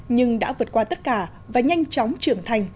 nhưng đã vượt qua tất cả và nhanh chóng trưởng thành